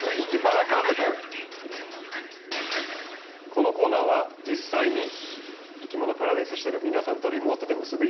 このコーナーは実際にいきものパラダイスしてる皆さんとリモートで結び